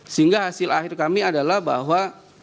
sehingga hasil akhir kami adalah bahwa